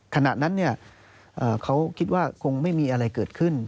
ขณะนั้นเขาคิดว่าคงไม่มีอะไรเกิดขึ้น